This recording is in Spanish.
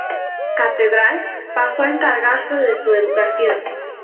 Catedral, pasó a encargarse de su educación.